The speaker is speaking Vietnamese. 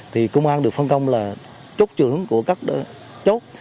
thì công an được phân công là chốt trưởng của các chốt